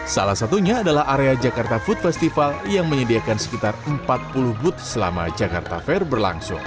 salah satunya adalah area jakarta food festival yang menyediakan sekitar empat puluh booth selama jakarta fair berlangsung